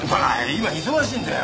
今忙しいんだよ。